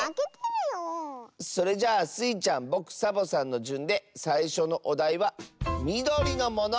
それじゃあスイちゃんぼくサボさんのじゅんでさいしょのおだいは「みどりのもの」！